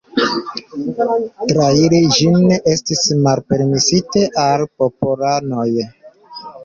Trairi ĝin estis malpermesite al popolanoj.